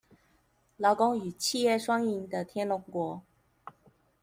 勞工與企業雙贏的天龍國